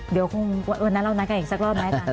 เดี๋ยวคงวันนั้นเรานักกันอีกสักรอบไหมคะ